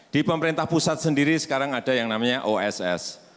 di pemerintah pusat sendiri sekarang ada yang namanya oss